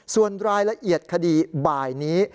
ส่วนรายละเอียดคดีบ่ายนี้